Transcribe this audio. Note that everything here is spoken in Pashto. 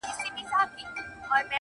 د خوښۍ کمبله ټوله سوه ماتم سو٫